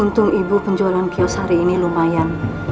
untung ibu penjualan kios hari ini lumayan